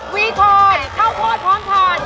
วีทอยข้าวโพดพร้อมทาน